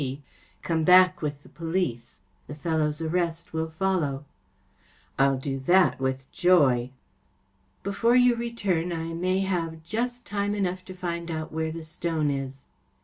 D. Come back with the police. The fellow’s arrest will follow.‚ÄĚ " I’ll do that with joy.‚ÄĚ " Before you return I may have just time enough to find out where the stone is.